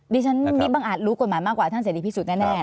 ดิฉันมีบางอาจรู้กฎหมายมากกว่าท่านเสรีพิสุทธิแน่